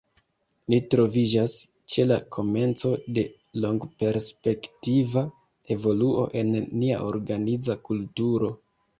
Ni troviĝas ĉe la komenco de longperspektiva evoluo en nia organiza kulturo.